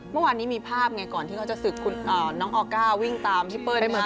เมื่อวานนี้มีภาพไงก่อนที่เขาจะศึกน้องออก้าวิ่งตามพี่เป้ยได้มา